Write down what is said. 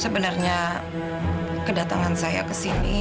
sebenarnya kedatangan saya ke sini